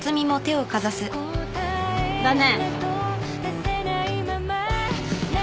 だね。